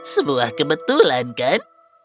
sebuah kebetulan kan